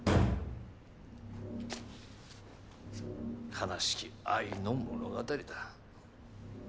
悲しき愛の物語だ。